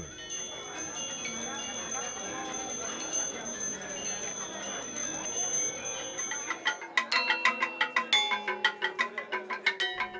pertunjukan penyucian kemudian dikelilingi